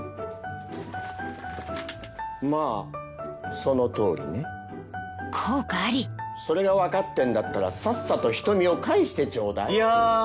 そのとおりねそれがわかってんだったらさっさと人見を返してちょうだいいやー